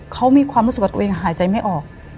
เขามีความรู้สึกว่าตัวเองหายใจไม่ออก